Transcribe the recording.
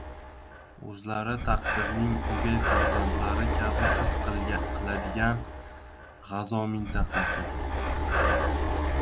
o‘zlarini taqdirning o‘gay farzandlari kabi his qiladigan G‘azo mintaqasi.